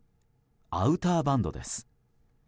アウターバンドです。